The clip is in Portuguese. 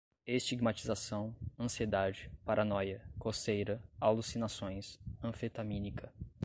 estigmatização, ansiedade, paranoia, coceira, alucinações, anfetamínica